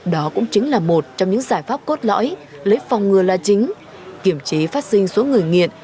đó cũng chính là một trong những giải pháp cốt lõi lấy phòng ngừa là chính kiểm trí phát sinh số người nghiện